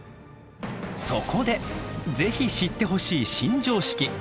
そこでぜひ知ってほしい新常識。